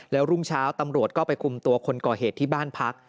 แล้วรุ่งเช้าตำรวจก็ไปคุมตัวคนก่อเหตุที่บ้านพัก